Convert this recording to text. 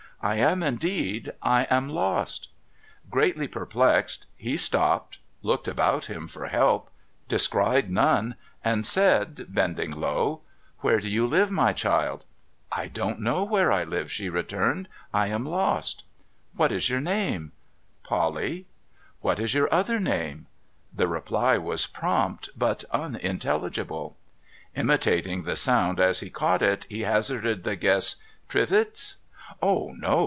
' I am indeed. I am lost !' Greatly perplexed, he stopped, looked about him for help, descried none, and said, bending low :' \Vhere do you live, my child ?'' I don't know where I live,' she returned. ' I am lost.' ' What is your name ?'' Polly.' ' What is your other name ?' The reply was prompt, but unintelligible. Imitating the sound as he caught it, he hazarded the guess, ' Trivils.' ' Oh no